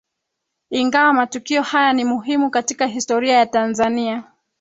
Ingawa matukio haya ni muhimu katika historia ya Tanzania